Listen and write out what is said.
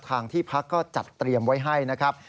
ที่พักก็จัดเตรียมไว้ให้นะครับ